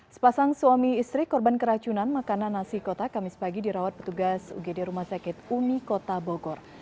sepasang suami istri korban keracunan makanan nasi kota kamis pagi dirawat petugas ugd rumah sakit umi kota bogor